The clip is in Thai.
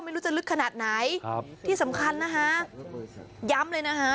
ไม่รู้จะลึกขนาดไหนครับที่สำคัญนะฮะย้ำเลยนะฮะ